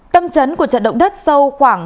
tâm trấn của trận động đất sâu khoảng